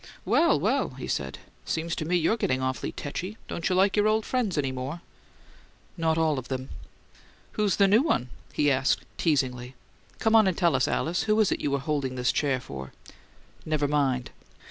"Well, well!" he said. "Seems to me you're getting awful tetchy! Don't you like your old friends any more?" "Not all of them." "Who's the new one?" he asked, teasingly. "Come on and tell us, Alice. Who is it you were holding this chair for?" "Never mind."